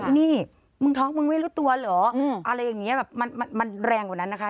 นี่มึงท้องมึงไม่รู้ตัวเหรออะไรอย่างนี้แบบมันแรงกว่านั้นนะคะ